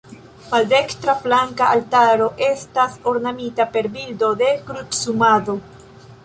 Maldekstra flanka altaro estas ornamita per bildo de Krucumado.